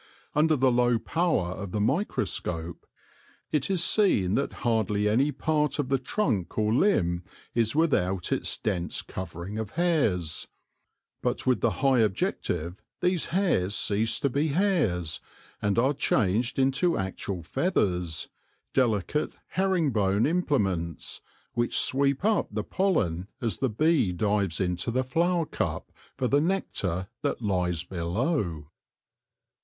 Under the low power of the microscope it is seen that hardly any part of the trunk or limb is without its dense covering of hairs ; but with the high objective these hairs cease to be hairs, and are changed into actual feathers, delicate herring bone implements, which sweep up the pollen as the bee dives into the flower cup for the nectar that lies below.